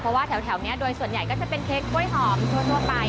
เพราะว่าแถวนี้โดยส่วนใหญ่ก็จะเป็นเค้กกล้วยหอมทั่วไป